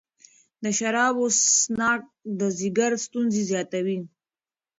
د شرابو څښاک د ځیګر ستونزې زیاتوي.